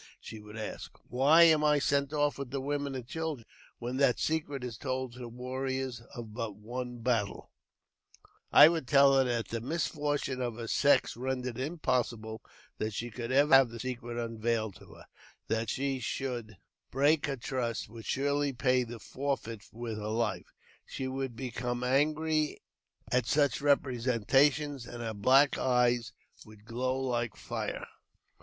she would ask. " Why am I sent off with the women and children, when that secret is told the warriors of but one battle ?" I would tell her that the misfortune of her sex rendered it 190 AUTOBIOGBAPHY OF ^Kr impossible that she could ever have the secret unveile her ; that, should she break her trust, she would surely pay i the forfeit v^ith her life. She would become angry at su^l representations, and her black eyes would glow like fire.